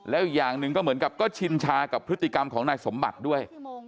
แล้วอย่างหนึ่งก็เหมือนกับก็ชินชากับพฤติกรรมของนายสมบัติด้วย